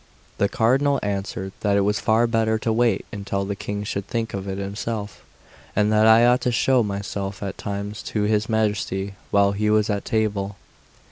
The Cardinal answered that it was far better to wait until the King should think of it himself, and that I ought to show myself at times to his Majesty while he was at table.